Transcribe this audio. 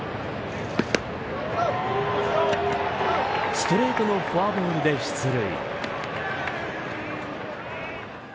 ストレートのフォアボールで出塁。